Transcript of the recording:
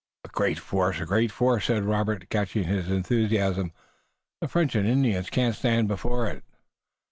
"A great force! A grand force!" said Robert, catching his enthusiasm. "The French and Indians can't stand before it!"